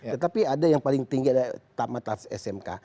tetapi ada yang paling tinggi adalah tamatan smk